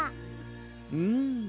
うん。